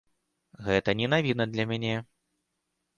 Гэта не навіна для мяне.